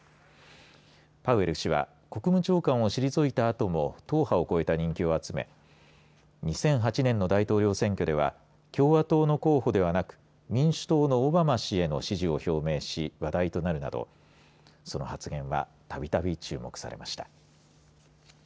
パウエル氏は国務長官を退いたあとも党派を超えた人気を集め２００８年の大統領選挙では共和党の候補ではなく民主党のオバマ氏への支持を表明し話題となるなどその発言はたびたび注目されました。